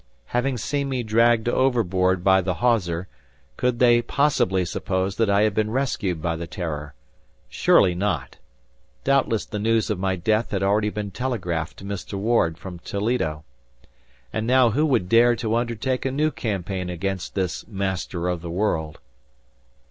Having seen me dragged overboard by the hawser, could they possibly suppose that I had been rescued by the "Terror?" Surely not! Doubtless the news of my death had already been telegraphed to Mr. Ward from Toledo. And now who would dare to undertake a new campaign against this "Master of the World"?